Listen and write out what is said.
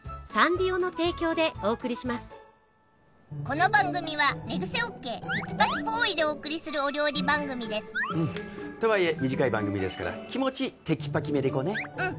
この番組は寝癖ＯＫてきぱきポーイッでお送りするお料理番組ですうんとはいえ短い番組ですから気持ちてきぱきめでいこうねうん